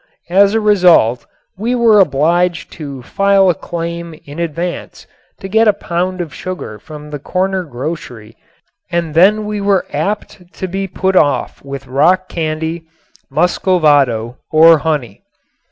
As a result we were obliged to file a claim in advance to get a pound of sugar from the corner grocery and then we were apt to be put off with rock candy, muscovado or honey.